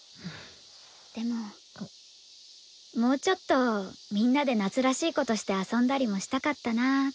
でももうちょっとみんなで夏らしいことして遊んだりもしたかったなって。